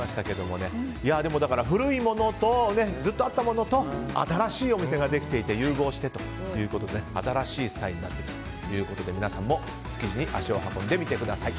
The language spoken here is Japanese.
古いもの、ずっとあったものと新しいお店ができていて融合してということで新しいスタイルになっているということで皆さんも築地に足を運んでみてください。